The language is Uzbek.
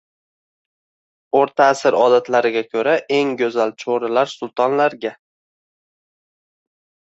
O‘rta asr odatlariga ko‘ra, eng go‘zal cho‘rilar sultonlarga